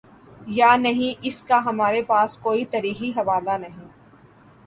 یانہیں، اس کا ہمارے پاس کوئی تاریخی حوالہ نہیں۔